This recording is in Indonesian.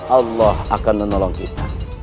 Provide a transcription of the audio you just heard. allah akan menolong kita